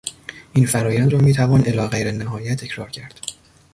این فرآیند را میتوان الی غیر النهایه تکرار کرد.